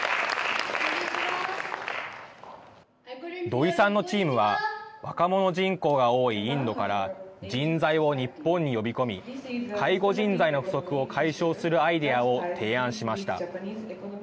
土居さんのチームは若者人口が多いインドから人材を日本に呼び込み介護人材の不足を解消するアイデアを提案しました。